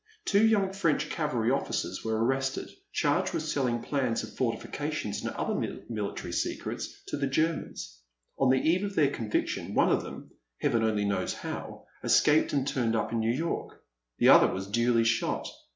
Two young French cavalry officers were arrested, charged with selling plans of fortifications and other mili tary secrets to the Germans. On the eve of their conviction, one of them, Heaven only knows how, escaped and turned up in New York. The other was duly shot.